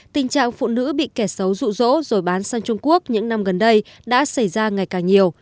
tình trạng phụ nữ bị kẻ xấu rụ rỗ rồi bán sang trung quốc những năm gần đây đã xảy ra ngày càng nhiều